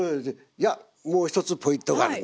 いやもう一つポイントがあるんです。